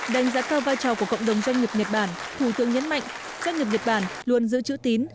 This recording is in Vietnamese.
đánh giá cao vai trò của cộng đồng doanh nghiệp nhật bản thủ tướng nhấn mạnh doanh nghiệp nhật bản luôn giữ chữ tín